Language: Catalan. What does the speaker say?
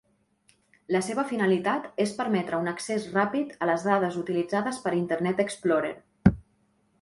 La seva finalitat és permetre un accés ràpid a les dades utilitzades per Internet Explorer.